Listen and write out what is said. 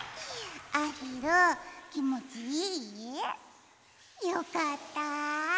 あひるんきもちいい？よかった！